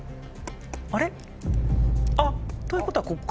あっ！ということはここか。